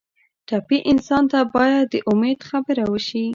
ټپي انسان ته باید د امید خبره وشي.